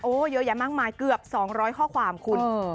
เยอะแยะมากมายเกือบ๒๐๐ข้อความคุณ